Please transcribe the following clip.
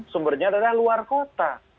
sumbernya adalah luar kota